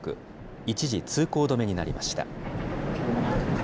一時、通行止めになりました。